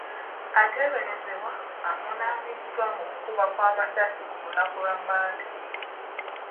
Ateeberezebwa avunaaniddwa mu kukuba kw'amasasi ku lunaku lwa Mande.